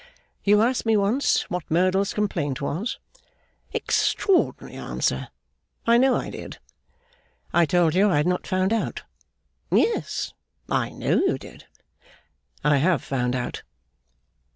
'You asked me once what Merdle's complaint was.' 'Extraordinary answer! I know I did.' 'I told you I had not found out.' 'Yes. I know you did.' 'I have found it out.